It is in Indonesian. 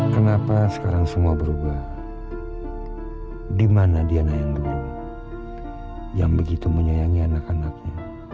kenapa sekarang semua berubah dimana diana yang dulu yang begitu menyayangi anak anaknya